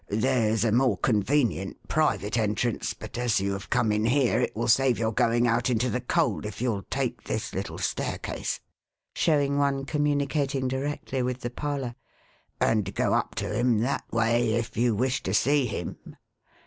There's a more convenient private entrance ; but as you have come in here, it will save your going out into the cold, if you'll take this little staircase," showing one communicating directly with the parlour, "and go up to him that way, if you wish to see him.'